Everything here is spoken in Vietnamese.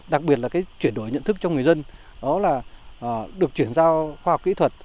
đặc biệt là cái chuyển đổi nhận thức cho người dân đó là được chuyển giao khoa học kỹ thuật